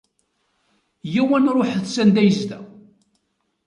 Yyaw ad nruḥet s anda yezdeɣ.